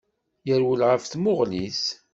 Yerwel ɣef tmuɣli-s.